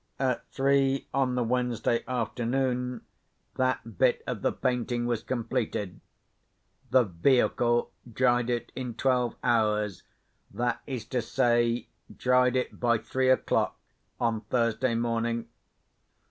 At three on the Wednesday afternoon, that bit of the painting was completed. The vehicle dried it in twelve hours—that is to say, dried it by three o'clock on Thursday morning.